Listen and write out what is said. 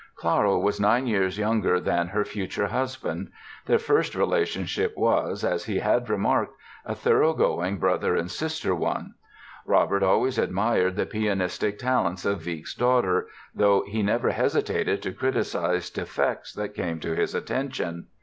Clara was nine years younger than her future husband. Their first relationship was, as he had remarked, a thoroughgoing brother and sister one. Robert always admired the pianistic talents of Wieck's daughter though he never hesitated to criticise defects that came to his attention.